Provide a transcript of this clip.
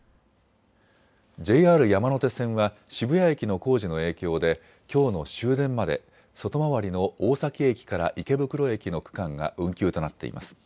ＪＲ山手線は渋谷駅の工事の影響で、きょうの終電まで外回りの大崎駅から池袋駅の区間が運休となっています。